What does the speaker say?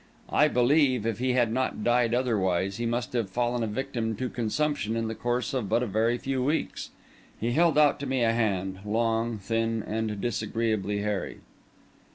I believe if he had not died otherwise, he must have fallen a victim to consumption in the course of but a very few weeks. He held out to me a hand, long, thin, and disagreeably hairy.